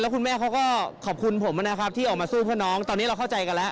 คุณแม่ให้อภัยร้อยเปอร์เซ็นต์แล้ว